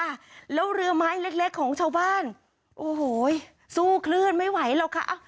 ค่ะแล้วเรือไม้เล็กเล็กของชาวบ้านโอ้โหสู้คลื่นไม่ไหวหรอกค่ะอ้าว